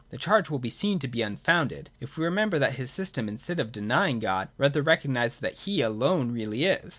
The charge will be seen to be unfounded if we remember that his system, instead of denying God, rather recognises that He alone really is.